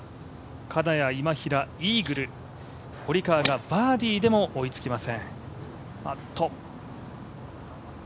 金谷、今平、イーグル、堀川がバーディーでも追いつきません。